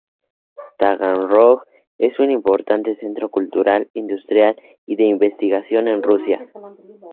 Taganrog es un importante centro cultural, industrial y de investigación en Rusia.